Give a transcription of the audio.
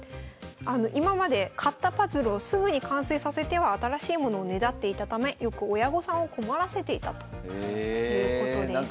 今まで買ったパズルをすぐに完成させては新しいものをねだっていたためよく親御さんを困らせていたということです。